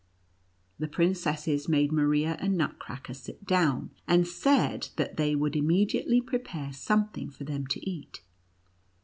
The princesses made Maria and Nutcracker sit down, and said that they would immediately prepare something for them to eat.